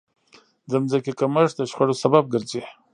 د ځمکې کمښت د شخړو سبب ګرځي.